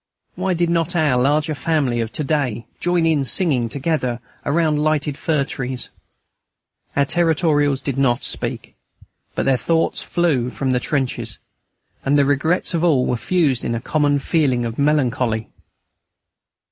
Why did not our larger family of to day join in singing together around lighted fir trees? Our Territorials did not speak; but their thoughts flew away from the trenches, and the regrets of all were fused in a common feeling of melancholy.